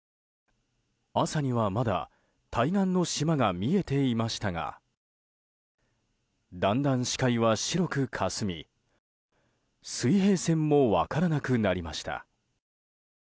朝には、まだ対岸の島が見えていましたがだんだん視界は白くかすみ水平線も分からなくなりました。